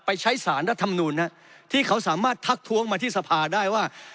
ไปใช้สารรัฐมนูลที่เขาสามารถทักท้วงมาที่สภาได้ว่า